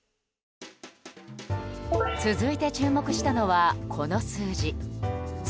続いて注目したのはこの数字。